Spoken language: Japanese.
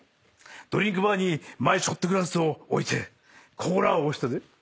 ドリンクバーにマイショットグラスを置いてコーラを押したぜ。